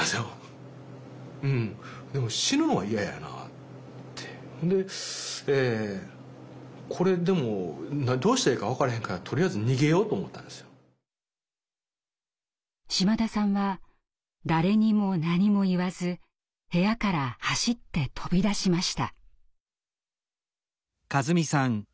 そこでほんでこれでも島田さんは誰にも何も言わず部屋から走って飛び出しました。